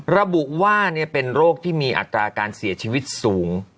ระบุว่าเป็นโรคที่มีอัตราการเสียชีวิตสูง